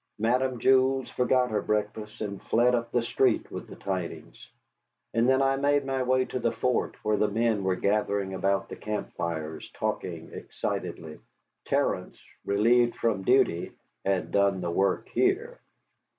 Madame Jules forgot her breakfast, and fled up the street with the tidings. And then I made my way to the fort, where the men were gathering about the camp fires, talking excitedly. Terence, relieved from duty, had done the work here.